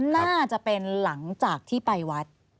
น่าจะเป็นหลังจากที่ไปวัด